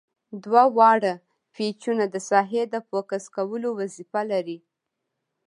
دوه واړه پیچونه د ساحې د فوکس کولو وظیفه لري.